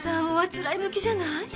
おあつらえ向きじゃない？